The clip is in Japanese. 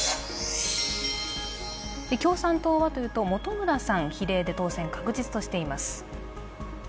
共産党は本村さん比例で当選確実としています。